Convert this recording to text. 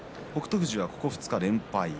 富士はここ２日連敗。